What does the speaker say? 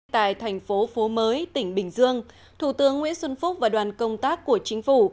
tại thành phố mới tỉnh bình dương thủ tướng nguyễn xuân phúc và đoàn công tác của chính phủ